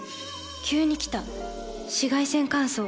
急に来た紫外線乾燥。